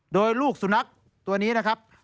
โดยลูกสุนัขตัวนี้นะครับ